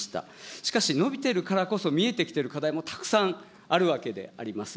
しかし、伸びているからこそ見えてきている課題もたくさんあるわけであります。